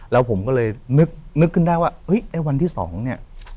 แล้วผมก็เลยนึกขึ้นได้ว่าเฮ้ยไอ้วันที่๒เนี่ย